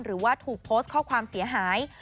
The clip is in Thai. หรือว่าถูกโพสต์ข้อความเสียหาย